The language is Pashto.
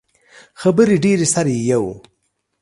خبرې ډیرې سر يې یو.